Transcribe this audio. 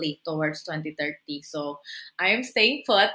saya tidak tahu mungkin ini adalah